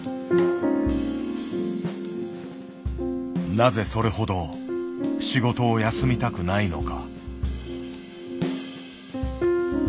なぜそれほど仕事を休みたくないのか。